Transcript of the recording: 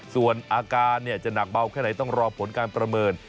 ส่วนอาการจะหนักเบาแค่ไหนต้องรอผลการประเมิน